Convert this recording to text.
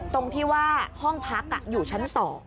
ตรงที่ว่าห้องพักอยู่ชั้น๒